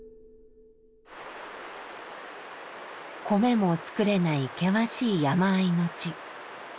米も作れない険しい山あいの地。